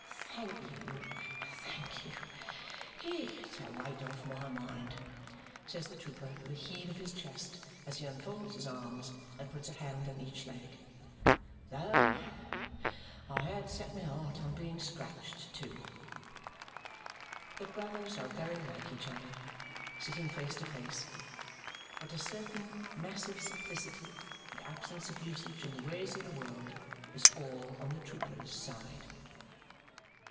"Thank you. Thank you. It's a weight off my mind," says the trooper with a heave of his chest as he unfolds his arms and puts a hand on each leg, "though I had set my heart on being scratched, too!" The brothers are very like each other, sitting face to face; but a certain massive simplicity and absence of usage in the ways of the world is all on the trooper's side.